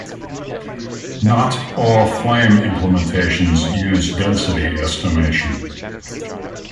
Not all Flame implementations use density estimation.